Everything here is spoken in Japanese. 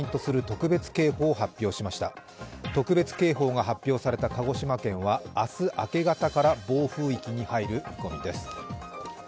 特別警報が発表された鹿児島県は明日明け方から暴風域に入る見込みです。